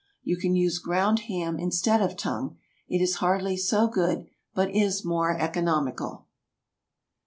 You can use ground ham instead of tongue. It is hardly so good, but is more economical.